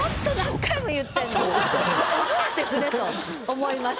覚えてくれと思います。